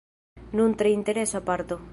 Nun tre interesa parto.